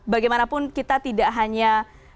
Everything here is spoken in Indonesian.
bagaimanapun kita tidak hanya